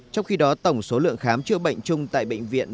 trong khi đó tổng số lượng khám chữa bệnh chung tại bệnh viện